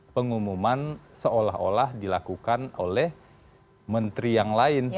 pengumuman seolah olah dilakukan oleh menteri yang lain